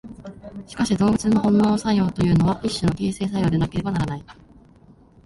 しかし動物の本能作用というのは一種の形成作用でなければならない。